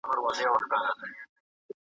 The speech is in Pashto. زندانیان باید له انساني کرامت څخه بې برخي نه سي.